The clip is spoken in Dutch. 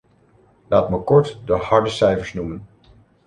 Laat me kort de harde cijfers noemen.